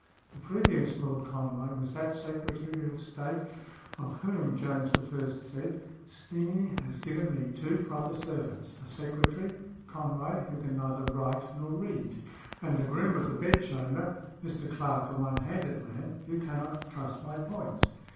The previous Lord Conway was that Secretary of State of whom James I. said, "Steenie has given me two proper servants a secretary (Conway) who can neither write nor read, and a groom of the bedchamber (Mr. Clarke, a one handed man) who cannot truss my points."